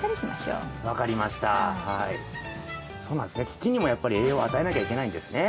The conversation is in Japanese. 土にもやっぱり栄養を与えなきゃいけないんですね。